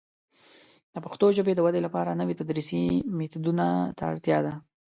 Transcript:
د پښتو ژبې د ودې لپاره نوي تدریسي میتودونه ته اړتیا ده.